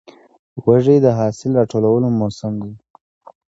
وږی د حاصل راټولو موسم دی.